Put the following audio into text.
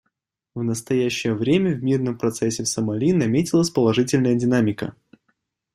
В настоящее время в мирном процессе в Сомали наметилась положительная динамика.